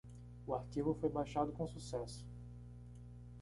O arquivo foi baixado com sucesso.